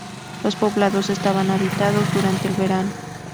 Los poblados estaban habitados durante el verano.